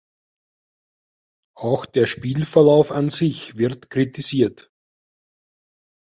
Auch der Spielverlauf an sich wird kritisiert.